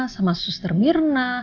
sama suster mirna